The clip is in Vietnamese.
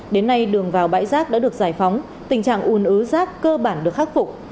đến nay đường vào bãi rác đã được giải phóng tình trạng ùn ứ rác cơ bản được khắc phục